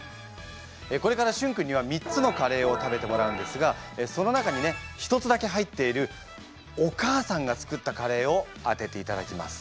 これからしゅん君には３つのカレーを食べてもらうんですがその中にね１つだけ入っているお母さんが作ったカレーを当てていただきます。